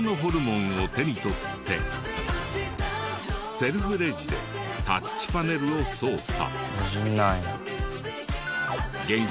セルフレジでタッチパネルを操作。